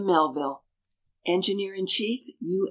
MELVILLE Enginekk in Chikf, U.